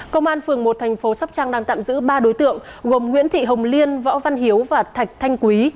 công an phường một thành phố sóc trăng đang tạm giữ ba đối tượng gồm nguyễn thị hồng liên võ văn hiếu và thạch thanh quý